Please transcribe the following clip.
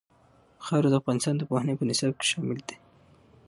خاوره د افغانستان د پوهنې په نصاب کې شامل دي.